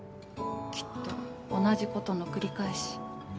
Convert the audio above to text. きっと同じことの繰り返し。